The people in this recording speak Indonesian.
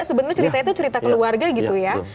sebenarnya ceritanya itu cerita keluarga gitu ya